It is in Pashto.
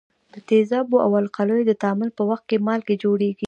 د تیزابو او القلیو د تعامل په واسطه مالګې جوړیږي.